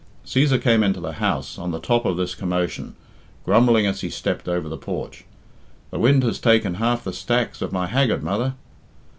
Cæsar came into the house on the top of this commotion, grumbling as he stepped over the porch, "The wind has taken half the stacks of my haggard, mother."